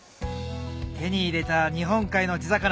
手に入れた日本海の地魚